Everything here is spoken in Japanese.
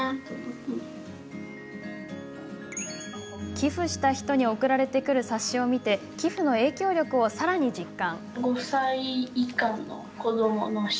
寄付した人に送られてくる冊子を見て寄付の影響力をさらに実感。